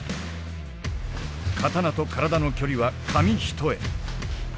刀と体の距離は紙一重。